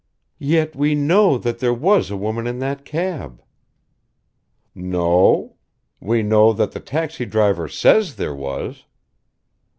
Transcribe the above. "Yet we know that there was a woman in that cab!" "No o. We know that the taxi driver says there was."